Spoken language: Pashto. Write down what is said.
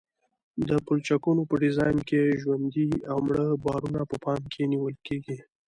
د پلچکونو په ډیزاین کې ژوندي او مړه بارونه په پام کې نیول کیږي